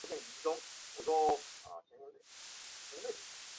字幕组制作字幕的最终目的在于进行传播。